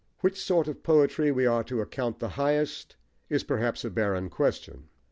Which sort of poetry we are to account the highest, is perhaps a barren question.